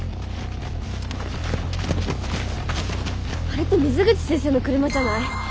あれって水口先生の車じゃない？